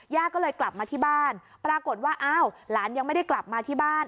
ก็เลยกลับมาที่บ้านปรากฏว่าอ้าวหลานยังไม่ได้กลับมาที่บ้าน